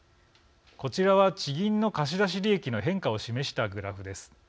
こちらは地銀の貸し出し利益の変化を示したグラフです。